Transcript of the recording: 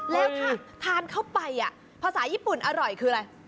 แล้วถ้าทานเข้าไปภาษาญี่ปุ่นอร่อยคืออะไร